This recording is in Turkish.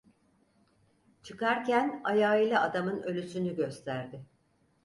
Çıkarken ayağıyla adamın ölüsünü gösterdi.